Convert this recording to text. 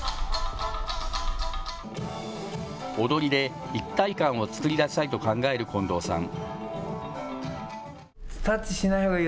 踊りで一体感を作り出したいと考える近藤さん。